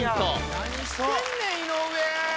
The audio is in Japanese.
何してんねん井上！